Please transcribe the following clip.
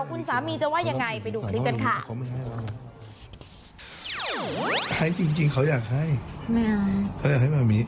คุณสามีจะว่ายังไงไปดูคลิปกันค่ะ